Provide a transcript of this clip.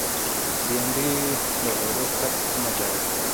بېنډۍ له غوړو پرته هم مزه لري